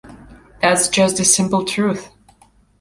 That's just the simple truth.